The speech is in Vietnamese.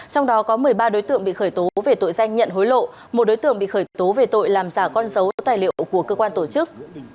trong đó có một mươi ba đối tượng bị khởi tố về tội danh nhận hối lộ một đối tượng bị khởi tố về tội làm giả con dấu tài liệu của cơ quan tổ chức